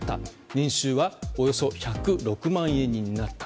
年収はおよそ１０６万円になった。